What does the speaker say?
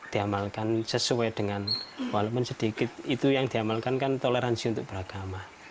diamalkan sesuai dengan walaupun sedikit itu yang diamalkan kan toleransi untuk beragama